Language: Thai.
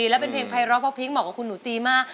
และเป็นเพลงไพร่อะเพาะพริ้งบอกว่าคุณหนูตรีมาก